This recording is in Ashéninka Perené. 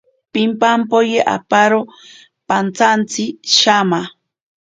Pimpampoye aparo pantsantsi shama.